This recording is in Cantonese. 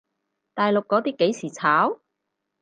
大陸嗰啲幾時炒？